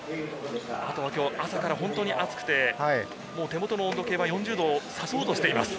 朝から本当に暑くて、手元の温度計は４０度をさそうとしています。